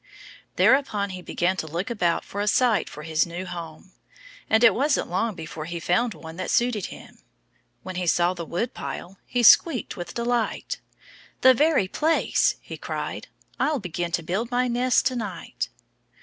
Thereupon he began to look about for a site for his new home. And it wasn't long before he had found one that suited him. When he saw the woodpile he squeaked with delight. "The very place!" he cried. "I'll begin to built my nest to night."